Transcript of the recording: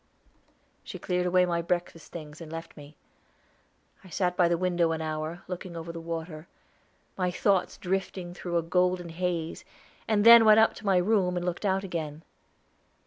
She cleared away my breakfast things and left me. I sat by the window an hour, looking over the water, my thoughts drifting through a golden haze, and then went up to my room and looked out again.